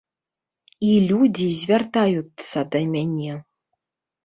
І людзі звяртаюцца да мяне.